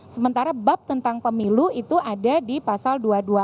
sementara bab tentang pemilu itu ada di pasal delapan belas